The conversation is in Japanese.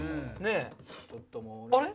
あれ？